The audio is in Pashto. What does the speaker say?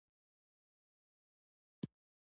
افغانستان د یورانیم په برخه کې نړیوال شهرت لري.